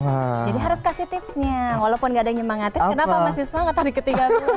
jadi harus kasih tipsnya walaupun nggak ada yang nyemangatin kenapa masih semangat hari ketiga